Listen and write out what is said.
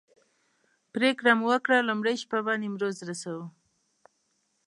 پرېکړه مو وکړه لومړۍ شپه به نیمروز رسوو.